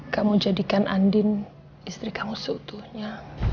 kamu jadikan andin istri kamu seutuhnya